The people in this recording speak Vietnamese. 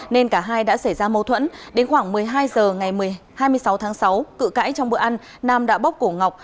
nên cả hai đã xảy ra mâu thuẫn đến khoảng một mươi hai h ngày hai mươi sáu tháng sáu cự cãi trong bữa ăn nam đã bóc cổ ngọc